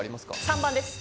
３番です